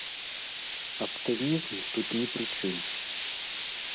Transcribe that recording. Аптымізм тут ні пры чым.